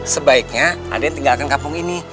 sebaiknya adin tinggalkan kampung ini